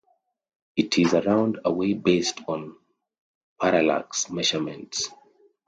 It is around away based on parallax measurements.